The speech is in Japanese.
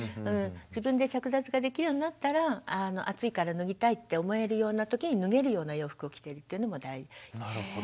自分で着脱ができるようになったら暑いから脱ぎたいって思えるような時に脱げるような洋服を着ているというのも大事。